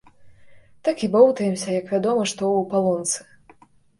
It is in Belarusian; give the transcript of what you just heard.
Так і боўтаемся як вядома што ў палонцы.